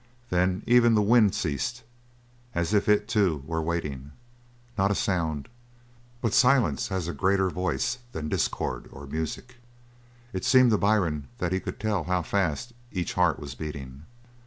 Then even the wind ceased; as if it, too, were waiting. Not a sound. But silence has a greater voice than discord or music. It seemed to Byrne that he could tell how fast each heart was beating.